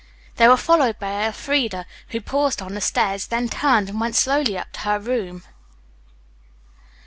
They were followed by Elfreda, who paused on the stairs, then turned and went slowly up to her room.